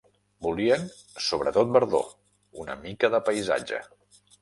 Volien sobre tot verdor: una mica de paisatge